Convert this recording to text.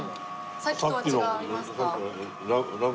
さっきとは違いありますか？